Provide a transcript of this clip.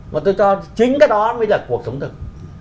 mà tôi cho chính cái đó mới là cuộc sống thực